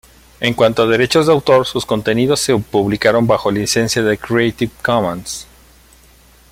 En cuanto a derechos de autor, sus contenidos se publicaron bajo licencia creative commons.